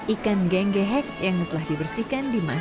ikan genggeng hek yang telah dibersihkan di mana